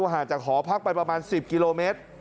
ห่างจากหอพักไปประมาณ๑๐กิโลเมตร